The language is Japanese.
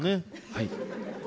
はい。